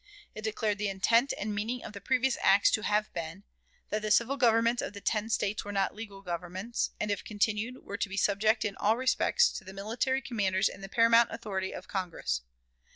It declared the intent and meaning of the previous acts to have been: that the civil governments of the ten States were not legal governments, and, if continued, were to be subject in all respects to the military commanders and the paramount authority of Congress.